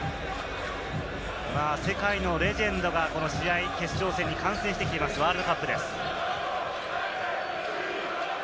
世界のレジェンドがこの試合、決勝戦を観戦しにきています、ワールドカップです。